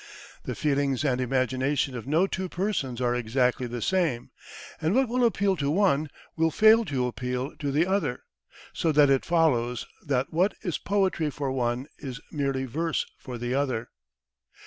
The feelings and imagination of no two persons are exactly the same, and what will appeal to one will fail to appeal to the other; so that it follows that what is poetry for one is merely verse for the other.